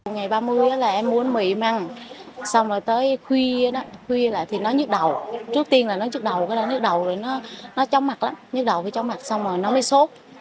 ngày ba mươi là em mua mì măng xong rồi tới khuya thì nó nhức đầu trước tiên là nó nhức đầu nó trong mặt lắm nhức đầu thì trong mặt xong rồi nó mới sốt